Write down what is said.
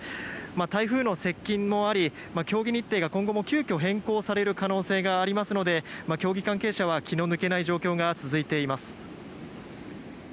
台風の接近もあり競技日程が今後も急きょ変更される可能性もありますので競技関係者は気の抜けない状況が続いています。